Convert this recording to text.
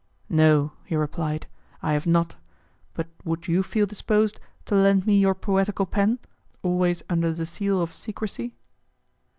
"No," he replied, "I have not; but would you feel disposed to lend me your poetical pen, always under the seal of secrecy?"